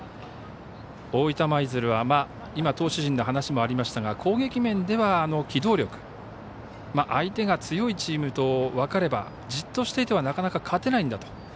大分舞鶴は今、投手陣の話もありましたが攻撃面では機動力相手が強いチームと分かればじっとしていてはなかなか勝てないんだと。